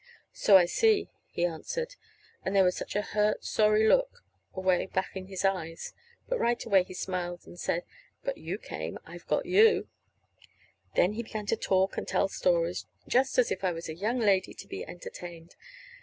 "So I see," he answered. And there was such a hurt, sorry look away back in his eyes. But right away he smiled, and said: "But you came! I've got you." Then he began to talk and tell stories, just as if I was a young lady to be entertained.